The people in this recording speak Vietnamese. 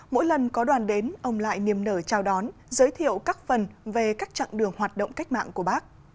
mỗi lần có đoàn đến ông lại niềm nở chào đón giới thiệu các phần về các chặng đường hoạt động cách mạng của bác